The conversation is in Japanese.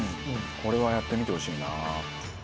これはやってみてほしいな。